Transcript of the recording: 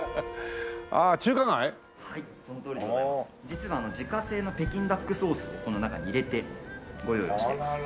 実は自家製の北京ダックソースをこの中に入れてご用意をしています。